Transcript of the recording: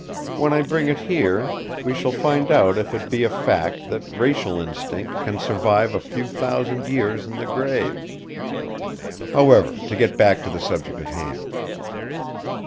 When I bring it here we shall find out if it be a fact that racial instinct can survive a few thousand years in the grave. However, to get back to the subject in hand.